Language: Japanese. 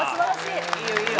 いいよいいよ！